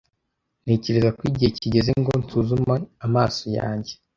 Ntekereza ko igihe kigeze ngo nsuzume amaso yanjye.